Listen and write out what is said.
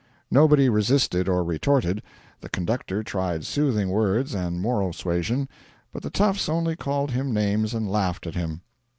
Nobody resisted or retorted; the conductor tried soothing words and moral suasion, but the toughs only called him names and laughed at him.